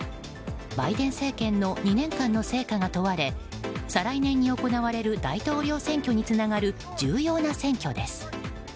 バイデン政権の２年間の成果が問われ再来年に行われる大統領選挙につながる重要な選挙です。